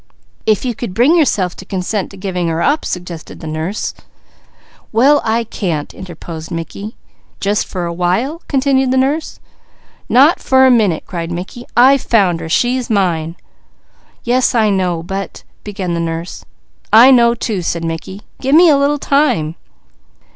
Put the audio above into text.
"If you could bring yourself to consent to giving her up " suggested the nurse. "Well I can't!" interposed Mickey. "Just for a while!" continued the nurse. "Not for a minute! I found her! She's mine!" "Yes, I know; but " began the nurse. "I know too," said Mickey. "Gimme a little time."